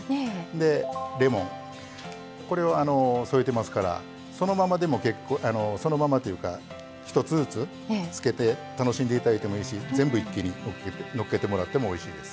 でレモンこれを添えてますからそのままでも結構そのままというか１つずつつけて楽しんでいただいてもいいし全部一気にのっけてもらってもおいしいです。